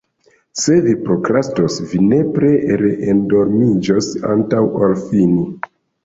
Se vi prokrastos, vi nepre re-endormiĝos antaŭ ol fini.